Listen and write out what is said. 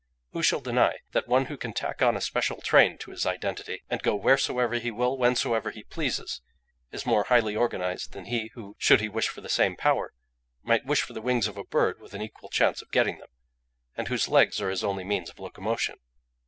Who shall deny that one who can tack on a special train to his identity, and go wheresoever he will whensoever he pleases, is more highly organised than he who, should he wish for the same power, might wish for the wings of a bird with an equal chance of getting them; and whose legs are his only means of locomotion?